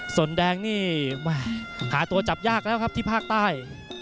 ส่วนแดงนี่หาตัวจับยากแล้วครับที่ภาคใต้